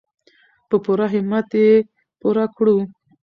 په پوره همت یې پوره کړو.